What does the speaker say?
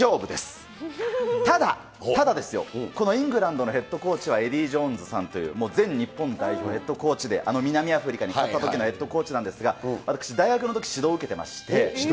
ただ、ただですよ、このイングランドのヘッドコーチはエディー・ジョーンズさんという、全日本代表ヘッドコーチで、南アフリカに勝ったときのヘッドコーチなんですが、私、大学のとき指導を受けていまして。